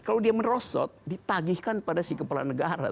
kalau dia merosot ditagihkan pada si kepala negara